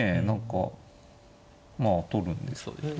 何かまあ取るんですかね。